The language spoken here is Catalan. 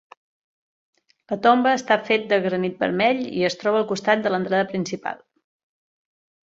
La tomba està fet de granit vermell i es troba al costat de l'entrada principal.